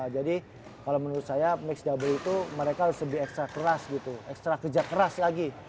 jadi kalau menurut saya mix double itu mereka harus lebih ekstra keras gitu ekstra kerja keras lagi